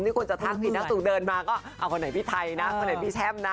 คนจะทักผิดนักสุขเดินมาก็เอาคนไหนพี่ไทยนะคนไหนพี่แช่มนะ